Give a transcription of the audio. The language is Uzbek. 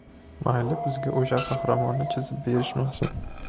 Mayli bizga o‘sha qahramonni chizib berishmasin.